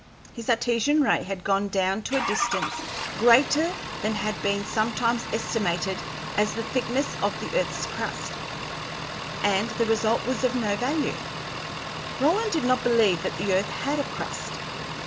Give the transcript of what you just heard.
His Artesian ray had gone down to a distance greater than had been sometimes estimated as the thickness of the earth's crust, and the result was of no value. Roland did not believe that the earth had a crust.